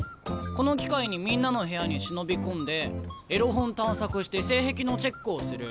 この機会にみんなの部屋に忍び込んでエロ本探索して性癖のチェックをする。